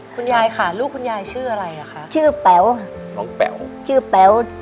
คุณยายค่ะลูกคุณยายชื่ออะไรอ่ะคะชื่อแป๋วน้องแป๋วชื่อแป๋ว